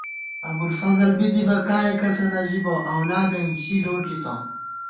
ابُوالفضل بی دِبہ ، کائےکسہ نہ ژِبہ ، اولادېن ژی لوٹِتہ